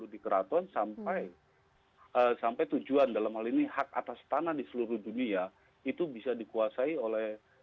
di keraton sampai sampai tujuan dalam hal ini hak atas tanah di seluruh dunia itu bisa dikuasai oleh